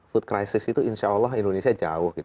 food crisis itu insya allah indonesia jauh